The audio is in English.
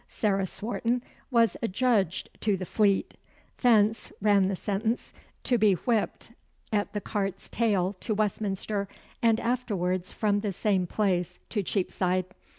Sarah Swarton was adjudged to the Fleet. "Thence," ran the sentence, "to be whipped at the cart's tail to Westminster, and afterwards from the same place to Cheapside.